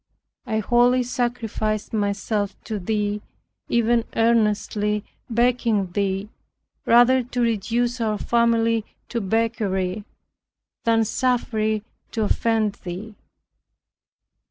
I wholly sacrificed myself to Thee, even earnestly begging Thee rather to reduce our family to beggary, than suffer it to offend thee.